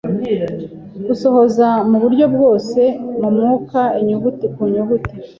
gusohoza mu buryo bwose, mu mwuka, inyuguti ku nyuguti